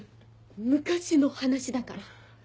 昔の話だから。